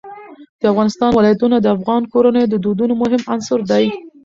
د افغانستان ولايتونه د افغان کورنیو د دودونو مهم عنصر دی.